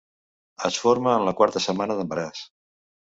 Es forma en la quarta setmana d’embaràs.